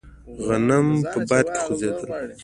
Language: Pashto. غنم په باد کې خوځېدل.